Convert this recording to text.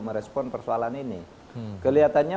merespon persoalan ini kelihatannya